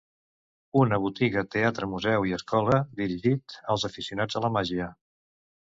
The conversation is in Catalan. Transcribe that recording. Una botiga, teatre, museu i escola dirigit als aficionats a la màgia.